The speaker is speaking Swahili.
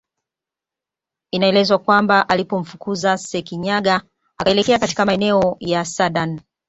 Inaelezwa kwamba alipomfukuzwa Sekinyaga akaelekea katika maeneo ya Sadani